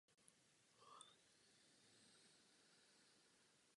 Nejčastěji však dochází k rozsáhlým poškozením velkých i malých cév.